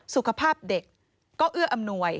สุขภาพเด็กก็เอื้ออำนวย